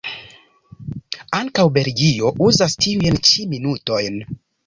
Ankaŭ Belgio uzas tiujn ĉi minutojn.